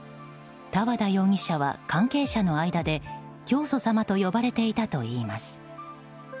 多和田容疑者は関係者の間で教祖様と呼ばれていたといいます。